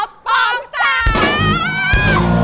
ออฟปองศักดิ์